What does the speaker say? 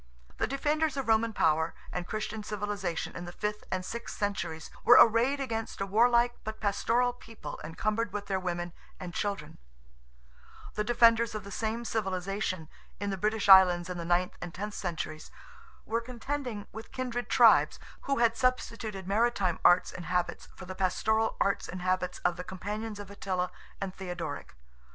The defenders of Roman power and Christian civilization in the fifth and sixth centuries, were arrayed against a warlike but pastoral people encumbered with their women and children; the defenders of the same civilization, in the British Islands in the ninth and tenth centuries, were contending with kindred tribes, who had substituted maritime arts and habits for the pastoral arts and habits of the companions of Attila and Theodoric.